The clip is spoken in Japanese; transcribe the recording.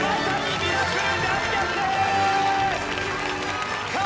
ミラクル！